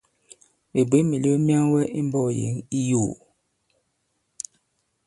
Ɓè bwě mìlew myaŋwɛ i mbɔ̄k yěŋ i yòo?